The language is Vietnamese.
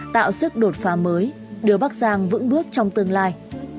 tạo sức đột phá mới đưa bắc giang vững bước trong tương lai